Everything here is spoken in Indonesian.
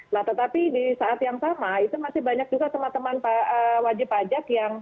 nah tetapi di saat yang sama itu masih banyak juga teman teman wajib pajak yang